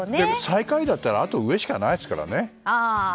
最下位だったらあとは上しかないですからね。